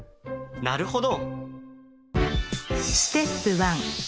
なるほど。